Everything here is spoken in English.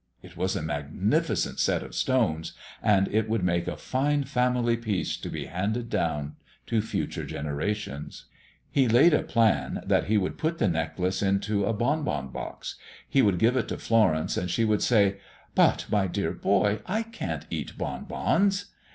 It was a magnificent set of stones, and it would make a fine family piece to be handed down to future generations. He laid a plan that he would put the necklace into a bon bon box. He would give it to Florence and she would say, "But, my dear boy, I can't eat bon bons."